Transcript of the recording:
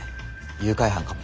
誘拐犯かも。